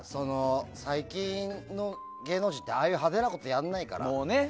最近の芸能人ってああいう派手なことやらないから。